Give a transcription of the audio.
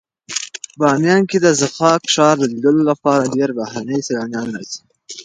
بامیان کې د ضحاک ښار د لیدلو لپاره ډېر بهرني سېلانیان راځي.